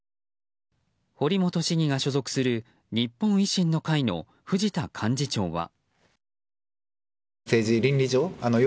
堀本市議が所属する日本維新の会の藤田幹事長は。